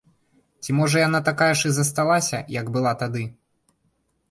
Ці можа яна такая ж і засталася, як была тады?